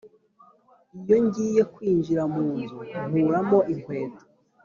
iyo ngiye kwinjira mu nzu nkuramo inkweto